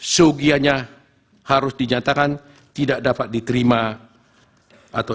yang diatur dalam ketentuan ketentuan yang telah diurahkan di atas oleh karenanya permohonan pemohon